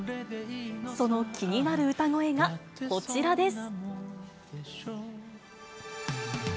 その気になる歌声がこちらです。